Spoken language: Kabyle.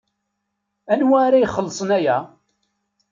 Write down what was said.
Anwa ara ixellṣen aya?